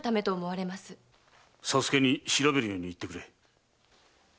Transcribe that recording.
佐助に調べるように言ってくれ。